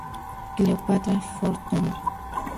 Cleopatra Fortune